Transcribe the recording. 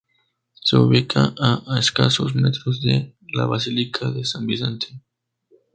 Se ubica a escasos metros de la basílica de San Vicente.